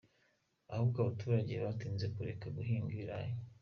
Ahubwo abaturage batinze kureka guhinga ibirayi!